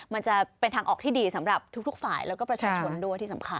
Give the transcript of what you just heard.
มันจะเป็นทางออกที่ดีสำหรับทุกฝ่ายแล้วก็ประชาชนด้วยที่สำคัญ